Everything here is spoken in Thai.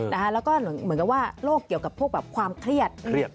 แล้วก็เหมือนกับว่าโรคเกี่ยวกับพวกแบบความเครียด